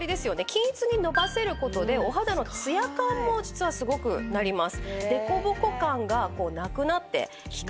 均一にのばせることでお肌のツヤ感も実はすごくなります。